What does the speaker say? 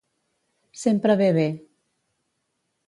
Sempre ve bé.